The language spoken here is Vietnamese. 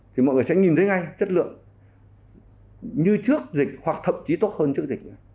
thì mọi người sẽ nhìn thấy ngay chất lượng như trước dịch hoặc thậm chí tốt hơn trước dịch